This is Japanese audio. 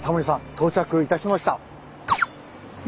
到着いたしました。